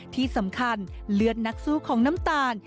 ที่สำคัญเลือดนักสู้ของน้ำตาล